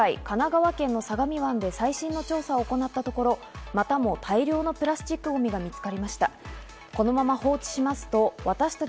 そんな中、今回、神奈川県の相模湾で最新の調査を行ったところ、またも大量のプラスチックゴミが見つかりました。